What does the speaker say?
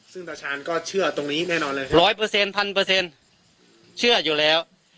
ซึ่งตาชาญก็เชื่อตรงนี้แน่นอนเลยร้อยเปอร์เซ็นพันเปอร์เซ็นต์เชื่ออยู่แล้ว